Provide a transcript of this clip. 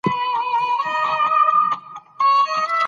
لمریز ځواک د افغانستان د دوامداره پرمختګ لپاره اړین دي.